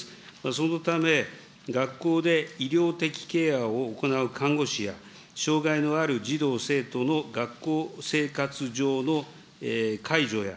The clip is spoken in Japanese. そのため、学校で医療的ケアを行う看護師や、障害のある児童・生徒の学校生活上の介助や、